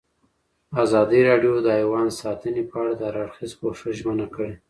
ازادي راډیو د حیوان ساتنه په اړه د هر اړخیز پوښښ ژمنه کړې.